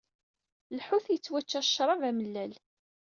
Lḥut yettwačča s ccrab amellal.